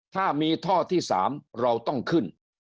ถ้ามีท่อที่๓เราต้องขึ้น